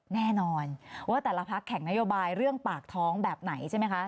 แน่นอนว่าแต่ละพักแข่งนโยบายเรื่องปากท้องแบบไหนใช่ไหมคะ